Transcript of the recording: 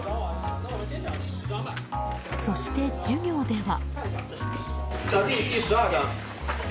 そして、授業では。